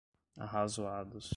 arrazoados